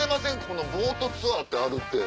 このボートツアーってあるって。